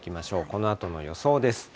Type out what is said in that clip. このあとの予想です。